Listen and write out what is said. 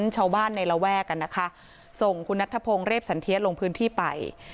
ชาวบ้านในระแวกกันนะคะส่งคุณนัทธพงศ์เรฟสันเทียลงพื้นที่ไป